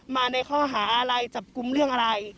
มาในข้อหาอะไรจับกลุ่มเรื่องอะไร